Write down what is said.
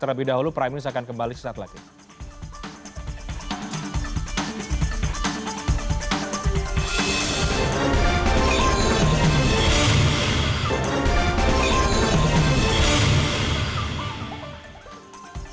terlebih dahulu prime news akan kembali setelah ini